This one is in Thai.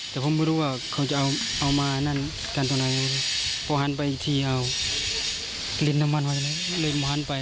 แต่ผมไม่รู้ว่าเขาจะเอาเอามานั่นการโทนัเลย